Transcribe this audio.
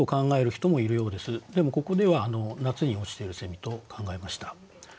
でもここでは夏に落ちていると考えました。